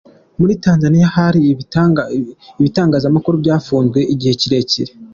Muri Tanzania hari ibitangazamakuru byafunzwe igihe kirekire.